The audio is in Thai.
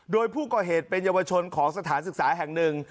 โดยผู้ก่อเหตุเป็นเยาวชนของสถานศึกษาแห่งหนึ่ง